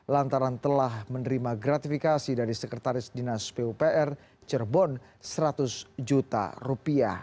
lantaran telah menerima gratifikasi dari sekretaris dinas pupr cirebon seratus juta rupiah